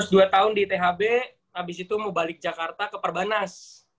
dua tahun di thb habis itu mau balik jakarta ke perbanas